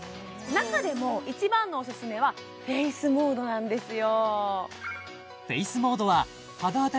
中でも一番のオススメはフェイスモードなんですよ